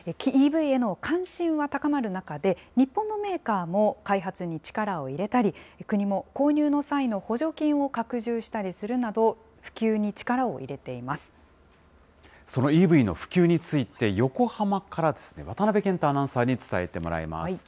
ＥＶへの関心は高まる中で、日本のメーカーも開発に力を入れたり、国も購入の際の補助金を拡充したりするなど、普及に力を入れていそのＥＶの普及について、横浜からですね、渡辺健太アナウンサーに伝えてもらいます。